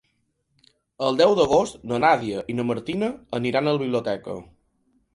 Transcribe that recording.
El deu d'agost na Nàdia i na Martina aniran a la biblioteca.